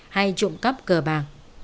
hay trụng cắp cờ bàn